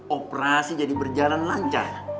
operasi jadi berjalan lancar